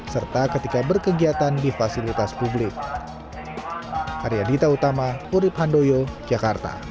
serta ketika berkegiatan di fasilitas publik